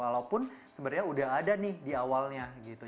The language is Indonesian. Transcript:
walaupun sebenarnya udah ada nih di awalnya gitu